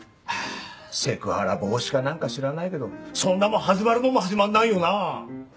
ハァセクハラ防止か何か知らないけどそんなもん始まるもんも始まらないよな！